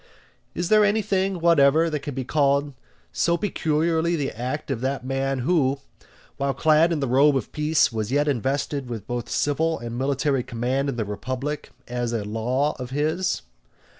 Is there anything whatever that can be called so peculiarly the act of that man who, while clad in the robe of peace, was yet invested with both civil and military command in the republic, as a law of his?